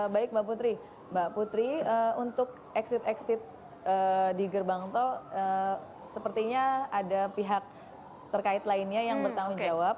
baik mbak putri mbak putri untuk exit exit di gerbang tol sepertinya ada pihak terkait lainnya yang bertanggung jawab